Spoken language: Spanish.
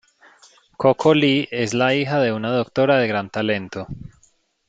Coco Lee es la hija de una doctora de gran talento.